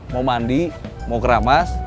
mau mandi mau keramas